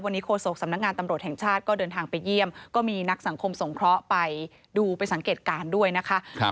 วันนี้โฆษกสำนักงานตำรวจแห่งชาติก็เดินทางไปเยี่ยมก็มีนักสังคมสงเคราะห์ไปดูไปสังเกตการณ์ด้วยนะคะ